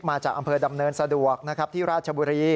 มาจากอำเภอดำเนินสะดวกนะครับที่ราชบุรี